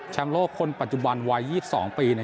โลกคนปัจจุบันวัย๒๒ปี